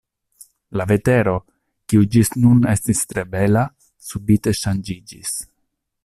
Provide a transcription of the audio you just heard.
La vetero, kiu ĝis nun estis tre bela, subite ŝanĝiĝis.